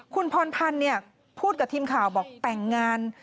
คุณพรพันธ์พูดกับทีมข่าวบอกแต่งงาน